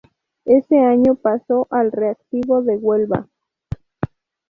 Ese año pasó al Recreativo de Huelva.